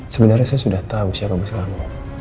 sebenarnya saya sudah tahu siapa bos kamu